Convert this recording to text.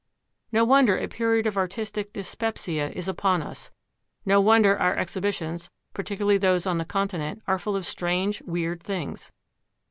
No wonder a period of artistic dyspepsia is upon us, no wonder our exhibitions, particularly those on the Continent, are full of strange, weird things.